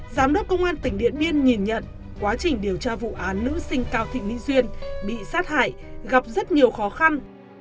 giám đốc công an tỉnh điện biên nhìn nhận quá trình điều tra vụ án nữ sinh cao thị mỹ duyên bị sát hại gặp rất nhiều khó khăn